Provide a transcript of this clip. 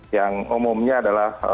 yang umumnya adalah